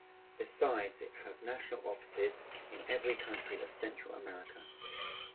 Besides it has national offices in every country of Central America.